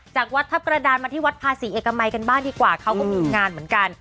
จากวัดทัพกระดานมาที่วัดภาษีเอกมัยกันบ้างดีกว่าเขาก็มีงานเหมือนกัน